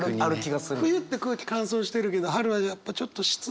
冬って空気乾燥してるけど春はやっぱちょっと湿度。